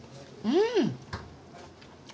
うん。